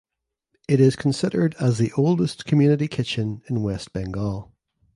It is considered as the oldest community kitchen in West Bengal.